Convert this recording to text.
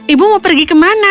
ibu mau pergi ke mana